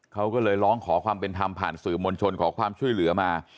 เขาก็เลยร้องขอความเป็นธรรมผ่านสื่อมวลชนขอความช่วยเหลือมา